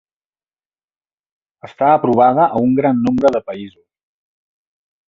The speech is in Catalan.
Està aprovada a un gran nombre de països.